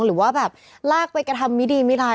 หรือว่าแบบลากไปกระทำมิดีมิร้าย